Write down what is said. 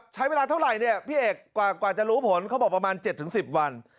ใช้เวลาเท่าไหร่เนี่ยพี่เอกกว่าจะรู้ผลเขาบอกประมาณ๗๑๐วัน